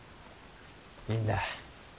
いいんだ。